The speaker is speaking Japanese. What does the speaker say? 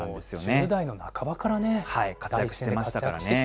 １０代の半ばからね、活躍してましたからね。